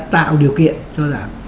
tạo điều kiện cho giảm